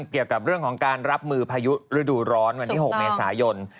เกี่ยวกับเรื่องของการรับมือพายุฤดูร้อนวันที่๖เมษายน